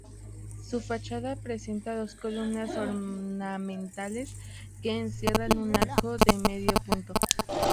Su fachada presenta dos columnas ornamentales que encierran un arco de medio punto.